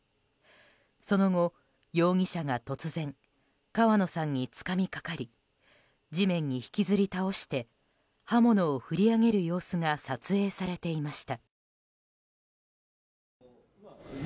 その後、容疑者が突然川野さんにつかみかかり地面に引きずり倒して刃物を振り上げる様子が撮影されていました。